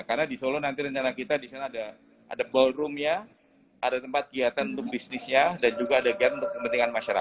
karena di solo nanti rencana kita disana ada ballroomnya ada tempat kegiatan untuk bisnisnya dan juga ada kegiatan untuk kepentingan masyarakat